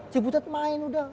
cibutet main udah